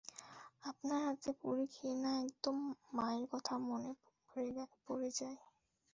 আপনার হাতে পুরী খেয়ে না একদম মায়ের কথা মনে পড়ে যায়।